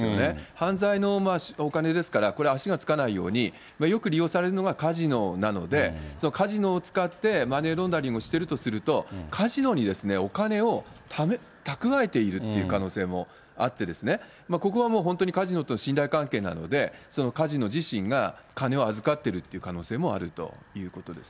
犯罪のお金ですから、これ、足がつかないように、よく利用されるのがカジノなので、カジノを使ってマネーロンダリングをしてるとすると、カジノにお金を蓄えているという可能性もあって、ここはもう本当にカジノと信頼関係なので、カジノ自身が金を預かっているという可能性もあるということです